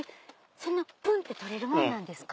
そんなプンって取れるもんなんですか？